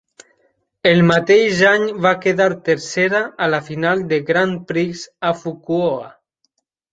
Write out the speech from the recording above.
El mateix any va quedar tercera a la final del Grand Prix a Fukuoka.